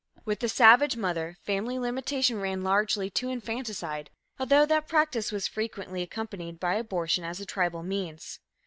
With the savage mother, family limitation ran largely to infanticide, although that practice was frequently accompanied by abortion as a tribal means.